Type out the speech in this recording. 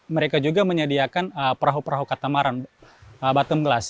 mereka juga menyediakan perahu perahu katamaran batem gelas